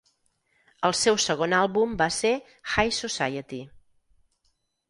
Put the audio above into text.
El seu segon àlbum va ser "High Society".